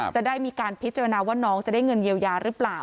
จะได้มีการพิจารณาว่าน้องจะได้เงินเยียวยาหรือเปล่า